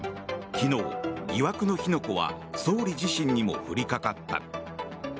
昨日、疑惑の火の粉は総理自身にも降りかかった。